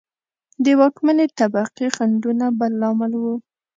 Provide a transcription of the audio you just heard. د واکمنې طبقې خنډونه بل لامل و.